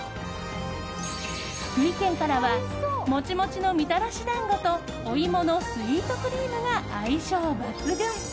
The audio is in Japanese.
福井県からはモチモチのみたらし団子とお芋のスイートクリームが相性抜群。